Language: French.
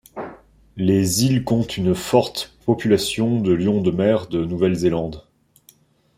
Les îles comptent une forte population de lions de mer de Nouvelle-Zélande.